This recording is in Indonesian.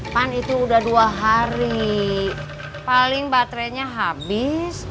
pan itu udah dua hari paling baterainya habis